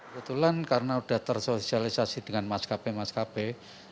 kebetulan karena sudah tersosialisasi dengan maskapai maskapai